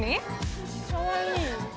かわいい。